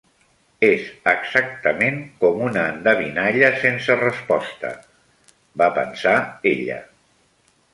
"És exactament com una endevinalla sense resposta!" va pensar ella.